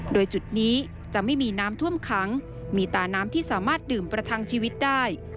โดยจุดนี้จะไม่มีน้ำท่วมขังมีตาน้ำที่สามารถดื่มประทังชีวิตได้